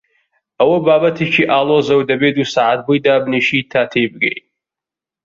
ئەوە بابەتێکی ئاڵۆزە و دەبێ دوو سەعات بۆی دابنیشی تا تێی بگەی.